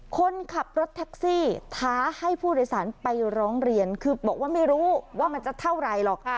คนขับรถแท็กซี่ท้าให้ผู้โดยสารไปร้องเรียนคือบอกว่าไม่รู้ว่ามันจะเท่าไหร่หรอก